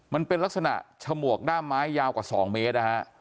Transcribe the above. มันเป็นลักษณะฉมวกด้ามไม้ยาวกว่า๒เมตรนะฮะ